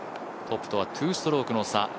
トップとは２ストロークの差。